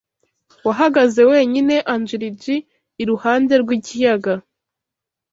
wahagaze wenyine, Angling iruhande rw'ikiyaga.